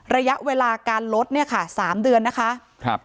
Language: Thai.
ระยะเวลาการลดเนี่ยค่ะสามเดือนนะคะครับ